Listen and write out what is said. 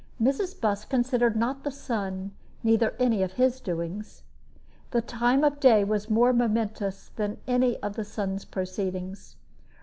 Mrs. Busk considered not the sun, neither any of his doings. The time of day was more momentous than any of the sun's proceedings.